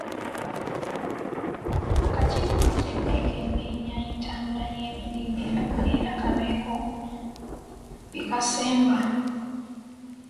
Akakiiko kajja kwekenneenya entambula y'emirimu, era kabeeko bye kasemba.